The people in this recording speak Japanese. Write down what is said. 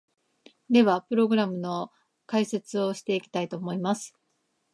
では、プログラムの解説をしていきたいと思います！